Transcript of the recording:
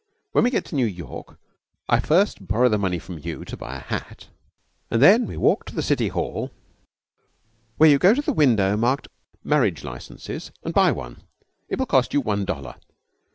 When we get to New York, I first borrow the money from you to buy a hat, and then we walk to the City Hall, where you go to the window marked "Marriage Licences", and buy one. It will cost you one dollar.